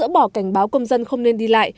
bỏ cảnh báo công dân không nên đi lại